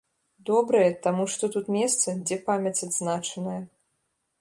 Добрае, таму што тут месца, дзе памяць адзначаная.